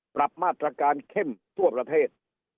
ปรับมาตรการเข้มทั่วประเทศ